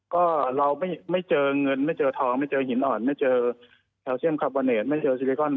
ก็เราไม่ไม่เจอเงินไม่เจอทองไม่เจอหินอ่อนไม่เจอไม่เจอไม่เจอ